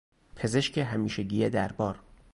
پزشک همیشگی دربار